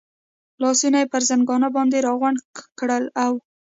لاسونه یې پر زنګانه باندې را غونډ کړل، اوه.